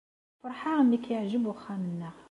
Feṛḥeɣ imi ay k-yeɛjeb uxxam-nneɣ.